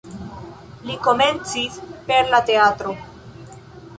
Li komencis per la teatro.